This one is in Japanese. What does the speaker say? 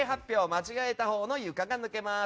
間違えたほうの床が抜けます。